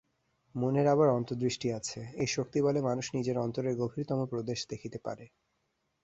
মনের আবার অন্তর্দৃষ্টি আছে, এই শক্তিবলে মানুষ নিজ অন্তরের গভীরতম প্রদেশ দেখিতে পারে।